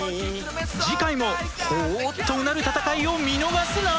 次回もほぉっとうなる戦いを見逃すな！